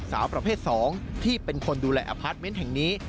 สาวประเภท๒ที่เป็นคนดูแลอพาร์ทเมนต์แห่งนี้